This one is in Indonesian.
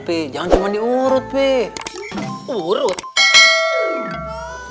pi jangan cuma diurut pi urut ini